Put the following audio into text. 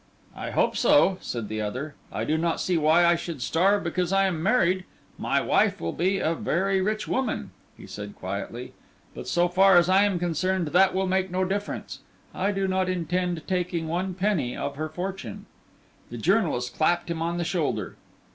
"I hope so," said the other. "I do not see why I should starve because I am married. My wife will be a very rich woman," he said quietly, "but so far as I am concerned that will make no difference; I do not intend taking one penny of her fortune." The journalist clapped him on the shoulder.